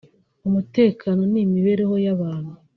umutekano n’imibereho y’abantu